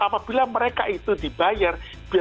apabila mereka itu dibayar mereka itu dibayar